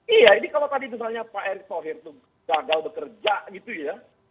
iya ini kalau tadi misalnya pak erick thohir itu gagal bekerja gitu ya